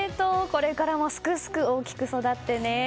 これからもすくすく大きく育ってね。